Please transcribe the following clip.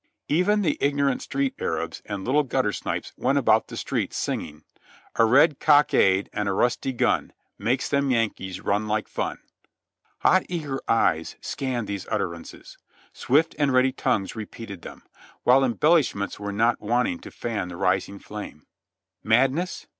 Even the ignorant street Arabs and little gutter snipes went about the streets singing: "A red cockade, and a rusty gun, Makes them Yankees run like fun." Hot, eager eyes scanned these utterances ; swift and ready tongues repeated them, while embellishments were not wanting to fan the rising flame. Madness?